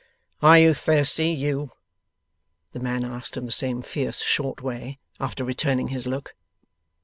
'Are you thirsty, you?' the man asked, in the same fierce short way, after returning his look.